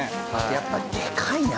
やっぱでかいな。